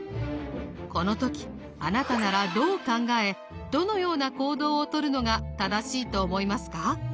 この時あなたならどう考えどのような行動をとるのが正しいと思いますか？